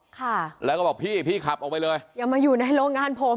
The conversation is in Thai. ค่ะแล้วก็บอกพี่พี่ขับออกไปเลยอย่ามาอยู่ในโรงงานผม